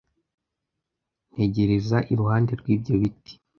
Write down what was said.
Ntegereza iruhande rwibyo giti.